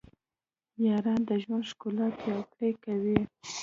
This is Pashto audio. یاران د ژوند ښکلا پیاوړې کوي.